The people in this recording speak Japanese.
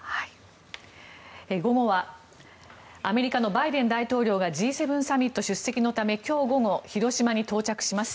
午後はアメリカのバイデン大統領がＧ７サミット出席のため今日午後、広島に到着します。